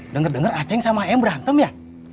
dengar dengar aceng sama em berantem ya